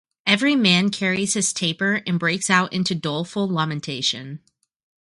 Every man carries his taper and breaks out into doleful lamentation.